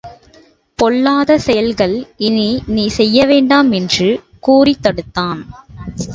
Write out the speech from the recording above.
பொல்லாத செயல்கள் இனி நீ செய்ய வேண்டாம் என்று கூறித் தடுத்தான்.